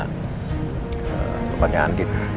ke tempatnya andit